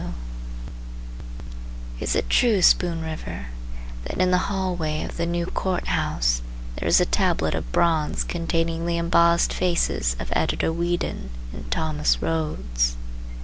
Culbertson Is it true, Spoon River, That in the hall—way of the New Court House There is a tablet of bronze Containing the embossed faces Of Editor Whedon and Thomas Rhodes?